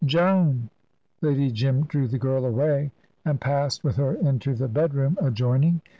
"Joan"; Lady Jim drew the girl away, and passed with her into the bedroom adjoining.